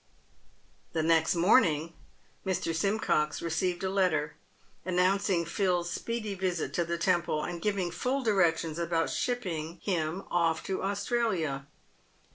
The next morning Mr. Simeox received a letter, announcing Phil's speedy visit to the Temple, and giving full directions about shipping him off to Australia.